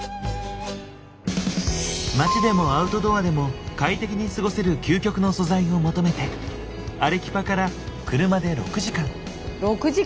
街でもアウトドアでも快適に過ごせる究極の素材を求めてアレキパから車で６時間。